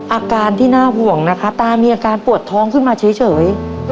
อาการที่น่าห่วงนะคะตามีอาการปวดท้องขึ้นมาเฉย